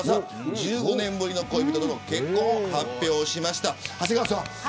１５年ぶりの恋人と結婚を発表しました。